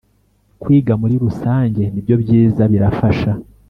Kwiga muri rusange nibyo byiza birafasha